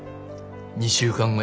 ２週間後や。